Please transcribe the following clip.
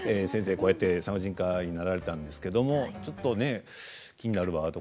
こうやって産婦人科医になられたんですけどもちょっとね気になるワード